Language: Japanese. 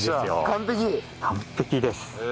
完璧です。